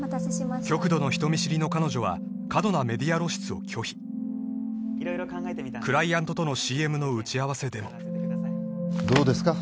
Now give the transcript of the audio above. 極度の人見知りの彼女は過度なメディア露出を拒否クライアントとのＣＭの打ち合わせでもどうですか？